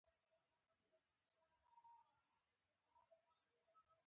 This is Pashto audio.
دا د جغرافیې او کلتور فرضیو ترمنځ توپیر دی.